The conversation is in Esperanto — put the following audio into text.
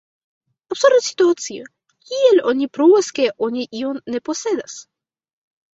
Absurda situacio: kiel oni pruvas, ke oni ion ne posedas?